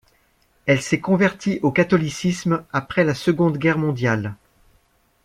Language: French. Elle s'est convertie au catholicisme après la Seconde Guerre mondiale.